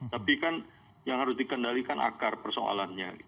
tapi kan yang harus dikendalikan akar persoalannya